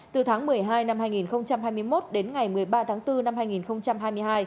từ tháng một mươi hai năm hai nghìn hai mươi một đến ngày một mươi ba tháng bốn năm hai nghìn hai mươi hai